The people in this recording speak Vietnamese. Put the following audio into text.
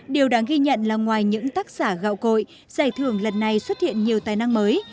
điều đáng ghi nhận là ngoài những tác giả gạo cội giải thưởng lần này xuất hiện nhiều tài năng mới